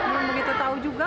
belum begitu tahu juga